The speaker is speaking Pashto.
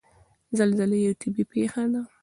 زلزله یوه طبعي پېښه ده.